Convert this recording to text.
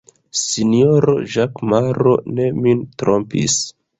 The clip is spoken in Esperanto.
Sinjoro Ĵakemaro ne min trompis!